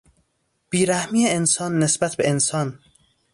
بیرحمی انسان نسبت به انسان